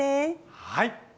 はい。